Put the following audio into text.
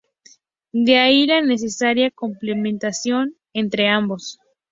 De ahí la necesaria complementación entre ambos.